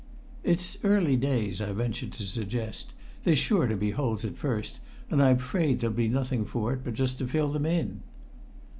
"It's early days," I ventured to suggest; "there's sure to be holes at first, and I'm afraid there'll be nothing for it but just to fill them in."